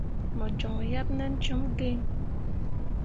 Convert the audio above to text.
Mo joŋ yeb nen cum gǝǝai.